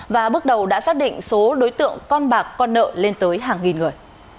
và bước đầu đã xác định số đối tượng con bạc con nợ lên tới hàng nghìn người